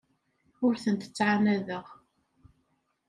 Ur tent-ttɛanadeɣ.